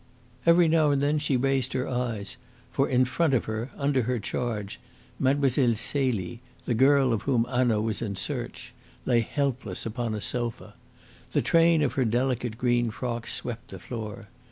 Every now and then she raised her eyes, for in front of her, under her charge, Mlle. Celie, the girl of whom Hanaud was in search, lay helpless upon a sofa. The train of her delicate green frock swept the floor.